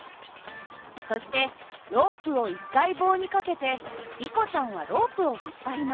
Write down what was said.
そしてロープを１回棒にかけてリコちゃんはロープを引っ張ります。